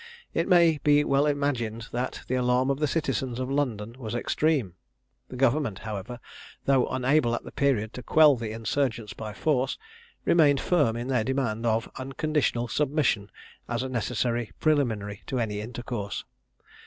It may be well imagined that the alarm of the citizens of London was extreme. The government, however, though unable at the period to quell the insurgents by force, remained firm in their demand of "unconditional submission as a necessary preliminary to any intercourse."